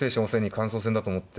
感想戦だと思って。